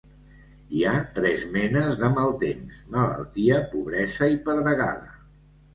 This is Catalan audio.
Hi ha tres menes de mal temps: malaltia, pobresa i pedregada.